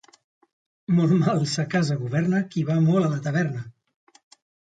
Molt mal sa casa governa, qui va molt a la taverna.